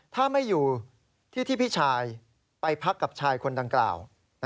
ถ้าไม่อยู่ที่ที่พี่ชายไปพักกับชายคนดังกล่าว